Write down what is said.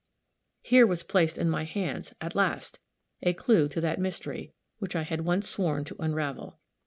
Here was placed in my hands at last! a clue to that mystery which I had once sworn to unravel.